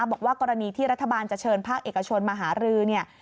บอกว่ากรณีที่รัฐบาลจะเชิญภาคเอกชนมาหารือเนี่ย